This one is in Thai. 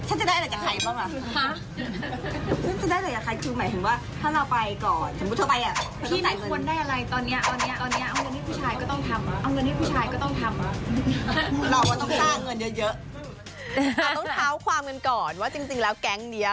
เราต้องเท้าความกันก่อนว่าจริงแล้วแก๊งนี้